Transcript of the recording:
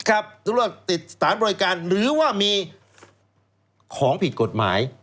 สมมุติว่าติดสถานบริการหรือว่ามีของผิดกฎหมาย